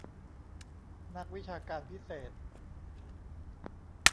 นักวิชาการพิเศษ